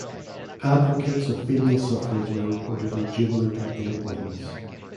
Advocates of female suffrage were reportedly "jubilant" at the appointments.